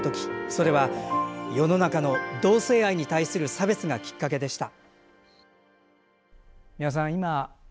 それは、世の中の同性愛に対する差別がきっかけでした。